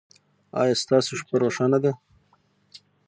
ایا ستاسو شپه روښانه ده؟